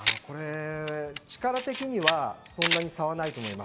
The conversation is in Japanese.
力的にはそんなに差はないと思います。